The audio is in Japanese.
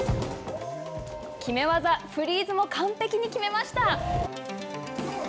決め技、フリーズも完璧に決めました。